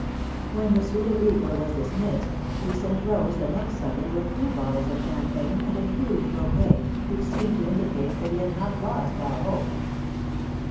When Monsieur Lebigre was dismissed, he sent Rose the next Sunday with two bottles of champagne and a huge bouquet, which seemed to indicate that he had not lost all hope.